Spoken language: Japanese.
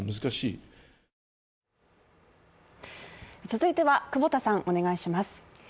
続いては、久保田さん、お願いします。